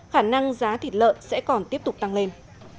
khả năng giá thịt lợn sẽ còn tiếp tục tăng lên